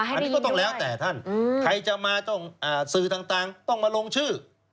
อันนี้ก็ต้องแล้วแต่ท่านใครจะมาต้องสื่อต่างต้องมาลงชื่อ